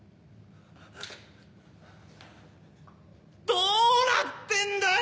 どうなってんだよ！